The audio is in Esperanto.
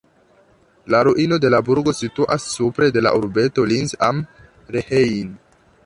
La ruino de la burgo situas supre de la urbeto Linz am Rhein.